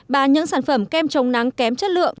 bán những sản phẩm kem trồng nắng kém chất lượng